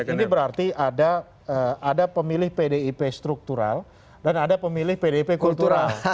ini berarti ada pemilih pdip struktural dan ada pemilih pdip kultural